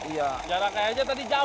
jarak aja tadi jauh